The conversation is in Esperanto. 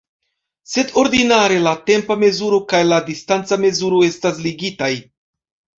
Sed ordinare la tempa mezuro kaj la distanca mezuro estas ligitaj.